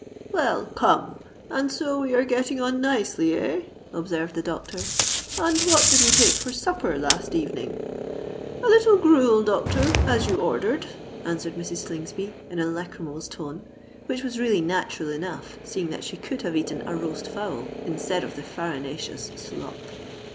"Well—come—and so we are getting on nicely, eh?" observed the doctor. "And what did we take for supper last evening?" "A little gruel, doctor—as you ordered," answered Mrs. Slingsby, in a lachrymose tone—which was really natural enough, seeing that she could have eaten a roast fowl instead of the farinaceous slop.